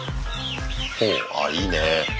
ほうあいいね。